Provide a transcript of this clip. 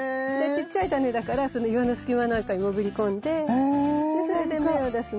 ちっちゃいタネだからその岩の隙間なんかに潜り込んでそれで芽を出すの。